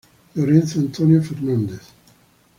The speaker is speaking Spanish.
Lorenzo Antonio Fernández.